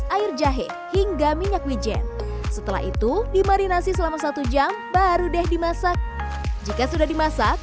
air jahe hingga minyak wijen setelah itu dimarinasi selama satu jam baru deh dimasak jika sudah dimasak